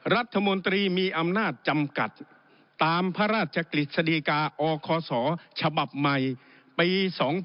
รัฐมนตรีมีอำนาจจำกัดตามพระราชกฤษฎีกาอคศฉบับใหม่ปี๒๕๖๒